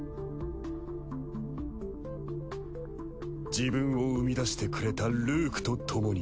自分を生み出してくれたルークとともに。